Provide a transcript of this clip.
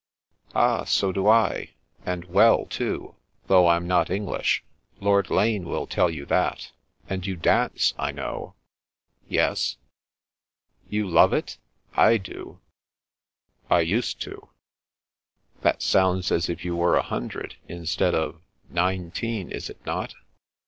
" Ah, so do I, and well, too, though Fm not Eng lish. Lord Lane will tell you that. And you dance, I know." " Yes " "You love It? I do." " I used to." " That sounds as if you were a hundred, instead of — ^nineteen, is it not